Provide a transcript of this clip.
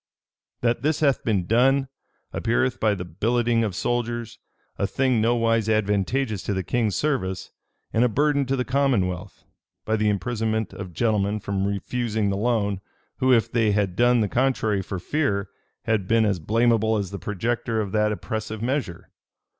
"That this hath been done, appeareth by the billeting of soldiers, a thing nowise advantageous to the king's service, and a burden to the commonwealth: by the imprisonment of gentlemen for refusing the loan, who, if they had done the contrary for fear, had been as blamable as the projector of that oppressive measure.